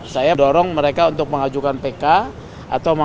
saya mendorong p tocar ditolong sama brown dan perhatikan pertanyaan sekitarzogen